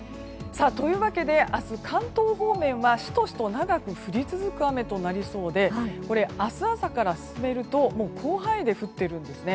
明日、関東方面はシトシト長く降り続く雨となりそうで明日朝から進めると広範囲で降っているんですね。